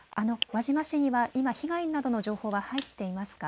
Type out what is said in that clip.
輪島市には今、被害などの情報は入っていますか。